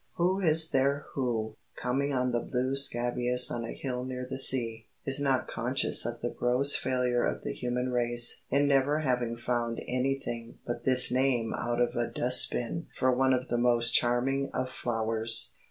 Who is there who, coming on the blue scabious on a hill near the sea, is not conscious of the gross failure of the human race in never having found anything but this name out of a dustbin for one of the most charming of flowers?